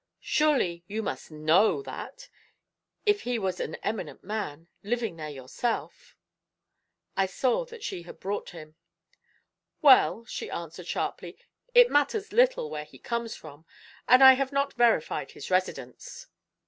"Surely, you must know that, if he is an eminent man; living there yourself!" I saw that she had brought him. "Well," she answered sharply, "it matters little where he comes from, and I have not verified his residence.